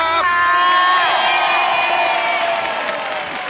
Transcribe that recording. ขอบคุณครับ